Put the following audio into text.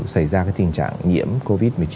xảy ra tình trạng nhiễm covid một mươi chín